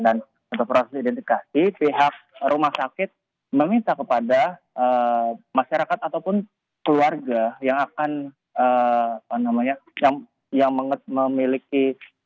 dan untuk proses identifikasi pihak rumah sakit meminta kepada masyarakat ataupun keluarga yang akan apa namanya yang memiliki